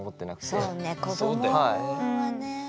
そうね子どもはね。